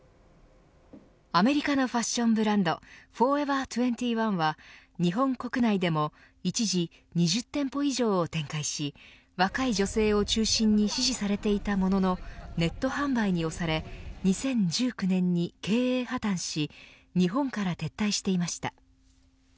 アメリカのファションブランドフォーエバー２１は日本国内でも一時２０店舗以上を展開し若い女性を中心に支持されていたもののネット販売に押され２０１９年に経営破綻し日本から撤退していました。